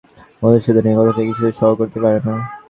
মধুসূদন এই কথাটাই কিছুতে সহ্য করতে পারে না।